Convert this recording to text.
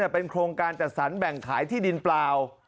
เป็นโครงการจัดสรรแบ่งขายที่ดินเปล่า